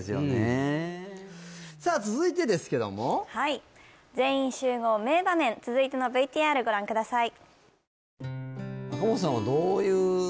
うんさあ続いてですけどもはい「全員集合」名場面続いてのＶＴＲご覧ください